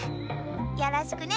よろしくね。